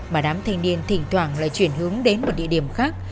mà đám thanh niên thỉnh thoảng lại chuyển hướng đến một địa điểm khác